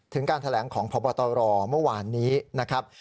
การแถลงของพบตรเมื่อวานนี้นะครับ